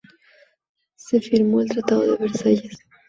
Se firmó el Tratado de Versalles.